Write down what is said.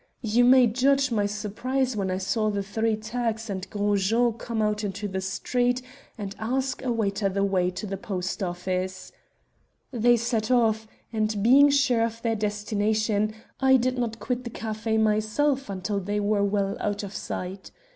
You may judge my surprise when I saw the three Turks and Gros Jean come out into the street and ask a waiter the way to the post office. "They set off, and, being sure of their destination, I did not quit the café myself until they were well out of sight.